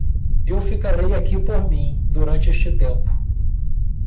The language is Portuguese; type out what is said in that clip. Eu ficarei aqui por mim durante este tempo.